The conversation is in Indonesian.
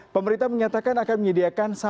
pemerintah menyatakan akan menyediakan